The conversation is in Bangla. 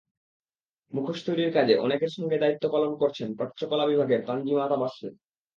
মুখোশ তৈরির কাজে অনেকের সঙ্গে দায়িত্ব পালন করছেন প্রাচ্যকলা বিভাগের তানজিমা তাবাসসুম।